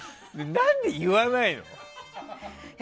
何で言わないの？